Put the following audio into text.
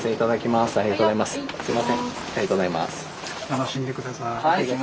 楽しんで下さい。